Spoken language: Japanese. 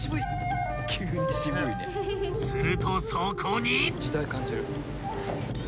［するとそこに］